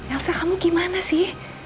elsa kamu gimana sih